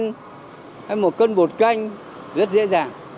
hay một cân bột canh rất dễ dàng